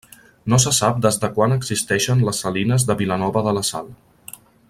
No sé sap des de quan existeixen les salines de Vilanova de la Sal.